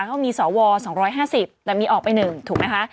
เขามีสว๒๕๐แต่มีออกไป๑ถูกไหมคะ